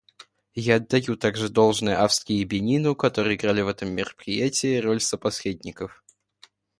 Я отдаю также должное Австрии и Бенину, которые играли в этом мероприятии роль сопосредников.